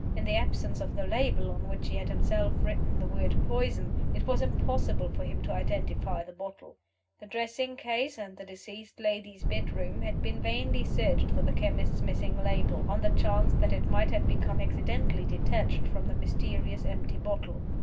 In the absence of the label (on which he had himself written the word "Poison"), it was impossible for him to identify the bottle. The dressing case and the deceased lady's bedroom had been vainly searched for the chemist's missing label on the chance that it might have become accidentally detached from the mysterious empty bottle.